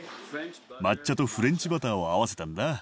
抹茶とフレンチバターを合わせたんだ。